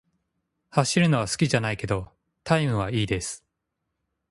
走るのは好きじゃないけど、タイムは良いです。